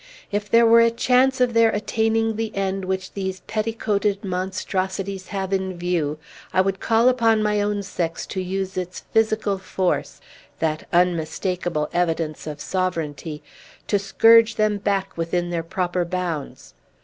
if there were a chance of their attaining the end which these petticoated monstrosities have in view, I would call upon my own sex to use its physical force, that unmistakable evidence of sovereignty, to scourge them back within their proper bounds!